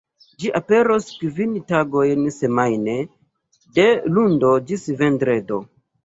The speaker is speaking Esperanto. Ĝi aperos kvin tagojn semajne, de lundo ĝis vendredo.